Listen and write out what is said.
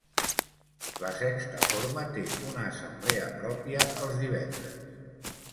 La Sexta Forma té una assemblea pròpia els divendres.